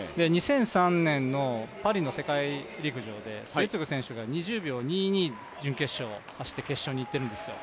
２００３年のパリの世界陸上で末續選手が２０秒２２を準決勝で出して決勝にいっているんですよ。